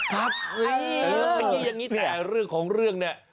ครับขยี้ขยี้อย่างนี้แต่เรื่องของเรื่องนี้